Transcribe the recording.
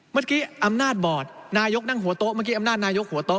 เมื่อกี้อำนาจบอดนายกนั่งหัวโต๊ะเมื่อกี้อำนาจนายกหัวโต๊